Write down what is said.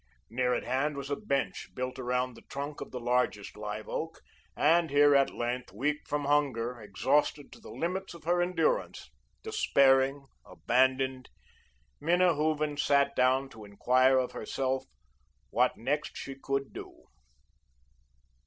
Near at hand was a bench, built around the trunk of the largest live oak, and here, at length, weak from hunger, exhausted to the limits of her endurance, despairing, abandoned, Minna Hooven sat down to enquire of herself what next she could do.